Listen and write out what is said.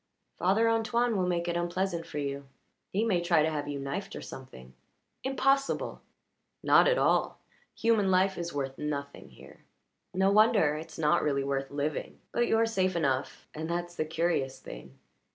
"Father Antoine will make it unpleasant for you. He may try to have you knifed, or something." "Impossible!" "Not at all. Human life is worth nothing here. No wonder it's not really worth living. But you're safe enough, and that's the curious thing."